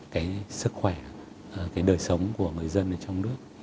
cái sức khỏe cái đời sống của người dân ở trong nước